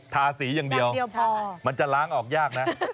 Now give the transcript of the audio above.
ทาสีอย่างเดียวพอมันจะล้างออกยากนะ